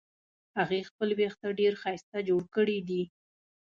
هغې خپل وېښته ډېر ښایسته جوړ کړې دي